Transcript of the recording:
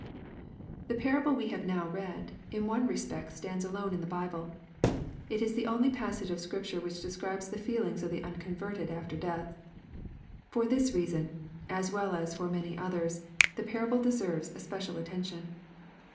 212 EXPOSITOBY THOUGHTS. The parable we have now read, in one respect stands ale ne in the Bible. It is the only passage of Scripture which describes the feelings of the unconverted after death. For this reason, as well as for many others, the parable deserves especial attention.